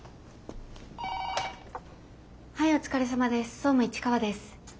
☎はいお疲れさまです総務市川です。